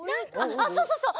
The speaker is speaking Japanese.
あっそうそうそう！